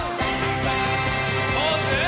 ポーズ！